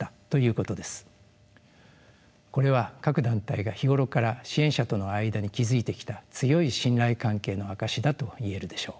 これは各団体が日頃から支援者との間に築いてきた強い信頼関係の証しだと言えるでしょう。